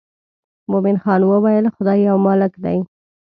مومن خان وویل خدای یو مالک دی.